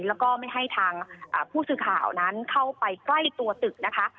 แล้วก็ไม่ให้ทางผู้สื่อข่าวนั้นเข้าไปใกล้ตัวตึกนะคะ